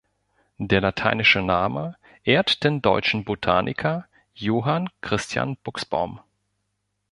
Der lateinische Name ehrt den deutschen Botaniker Johann Christian Buxbaum.